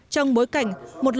trong bối cảnh một loại xe bộ